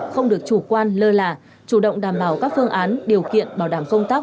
không được chủ quan lơ là chủ động đảm bảo các phương án điều kiện bảo đảm công tác